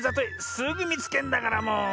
すぐみつけんだからもう。